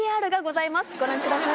ご覧ください。